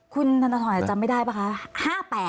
คุณธนทรจำไม่ได้ป่ะคะ